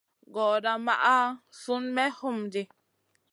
Gordaa maʼa Sun me homdi.